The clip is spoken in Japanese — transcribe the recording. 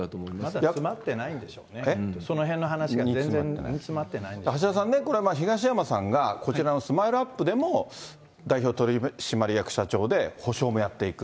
まだ煮詰まってないんでしょうね、そのへんの話が全然煮詰ま橋田さんね、これ、東山さんがこちらのスマイルアップでも、代表取締役社長で補償もやっていく。